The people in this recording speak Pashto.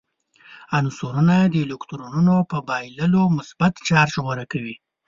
عنصرونه د الکترونونو په بایللو مثبت چارج غوره کوي.